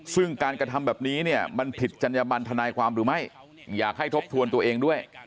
ซึ่งการกระทำแบบนี้เนี่ยมันผิดจัญญบันทนายความหรือไม่อยากให้ทบทวนตัวเองด้วย